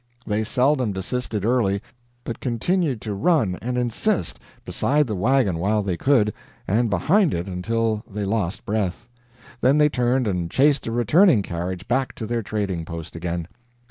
They seldom desisted early, but continued to run and insist beside the wagon while they could, and behind it until they lost breath. Then they turned and chased a returning carriage back to their trading post again.